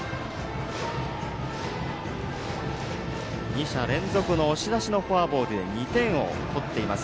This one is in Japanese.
２者連続の押し出しのフォアボールで２点を取っています。